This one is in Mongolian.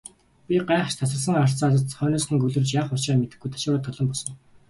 Би гайхаш тасарсан харцаар хойноос нь гөлөрч, яах учраа мэдэхгүй ташуураа тулан босов.